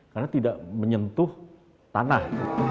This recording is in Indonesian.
karena tidak menyentuh tanah